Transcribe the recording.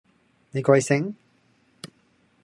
你貴姓？